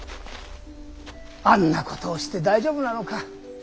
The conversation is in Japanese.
あんなことをして大丈夫なのか。